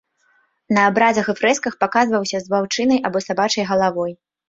На абразах і фрэсках паказваўся з ваўчынай або сабачай галавой.